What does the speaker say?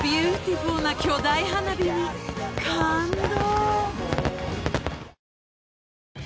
フォーな巨大花火に感動